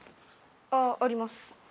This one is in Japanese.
ああります。